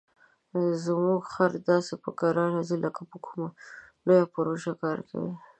زموږ خر داسې په کراره ځي لکه په کومه لویه پروژه کار کوي.